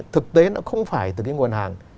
thực tế nó không phải từ cái nguồn hàng